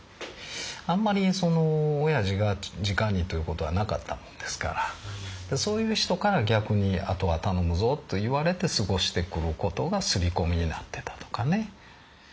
あんまりそのおやじがじかにという事はなかったもんですからそういう人から逆に後は頼むぞと言われて過ごしてくる事が刷り込みになってたとかね。